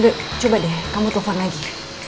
udah coba deh kamu telepon lagi